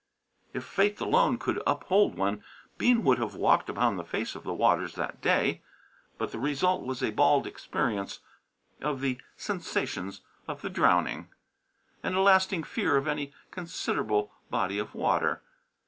If faith alone could uphold one, Bean would have walked upon the face of the waters that day. But the result was a bald experience of the sensations of the drowning, and a lasting fear of any considerable body of water.